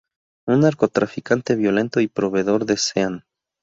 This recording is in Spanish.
Un narcotraficante violento y proveedor de Sean.